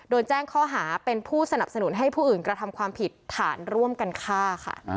โดนแจ้งข้อหาเป็นผู้สนับสนุนให้ผู้อื่นกระทำความผิดฐานร่วมกันฆ่าค่ะ